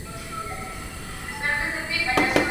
El aviador no tuvo tiempo de levantarse de su asiento.